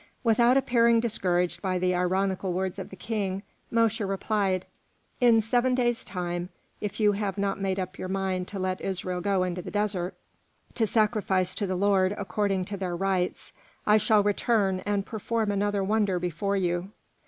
Without appearing discouraged by the ironical words of the King, Mosche replied: "In seven days' time, if you have not made up your mind to let Israel go into the desert to sacrifice to the Lord according to their rites, I shall return and perform another wonder before you."